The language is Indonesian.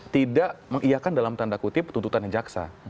tidak mengiakan dalam tanda kutip tuntutan yang jaksa